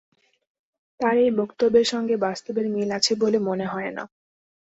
তাঁর এই বক্তব্যের সঙ্গে বাস্তবের মিল আছে বলে মনে হয় না।